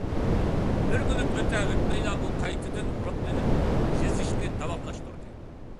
بىر مىنۇت ئۆتە-ئۆتمەيلا ئۇ قايتىدىن روھلىنىپ يېزىشنى داۋاملاشتۇردى.